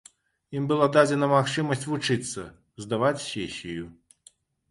Ім была дадзена магчымасць вучыцца, здаваць сесію.